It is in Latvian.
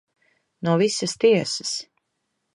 No visas tiesas.